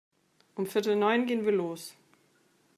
Um viertel neun gehen wir los.